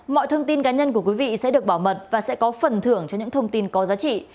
mọi thông tin cá nhân của quý vị sẽ được bảo mật và sẽ có phần thưởng cho những thông tin có giá trị